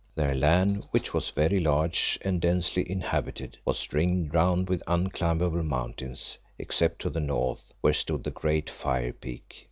Their land, which was very large and densely inhabited, was ringed round with unclimbable mountains, except to the north, where stood the great Fire peak.